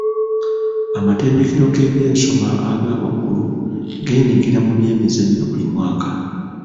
Amatendekero g'ebyensoma aga waggulu geenyigira mu by'emizannyo buli mwaka.